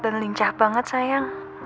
dan lincah banget sayang